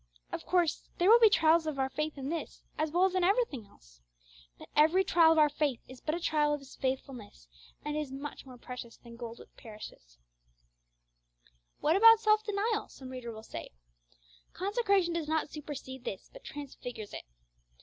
Of course there will be trials of our faith in this, as well as in everything else. But every trial of our faith is but a trial of His faithfulness, and is 'much more precious than gold which perisheth.' 'What about self denial?' some reader will say. Consecration does not supersede this, but transfigures it.